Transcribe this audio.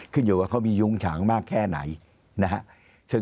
ขึ้นอยู่ว่าเขามียุงฉางมากแค่ไหนนะครับ